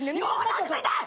落ち着いて！